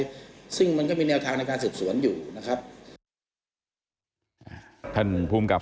ซึ่งมันก็มีแนวทางในการสืบสวนอยู่นะครับ